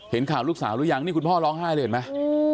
เห็นข่าวลูกสาวหรือยังนี่คุณพ่อร้องไห้เลยเห็นไหม